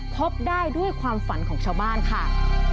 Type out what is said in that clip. พบได้ด้วยความฝันของชาวบ้านค่ะ